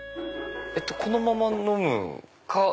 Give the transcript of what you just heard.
このまま飲むか。